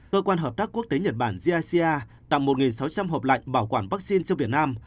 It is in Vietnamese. cơ quan hợp tác quốc tế nhật bản gic tặng một sáu trăm linh hộp lạnh bảo quản vaccine cho việt nam